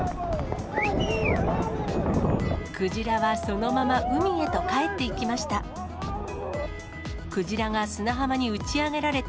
クジラはそのまま海へと帰っていきました。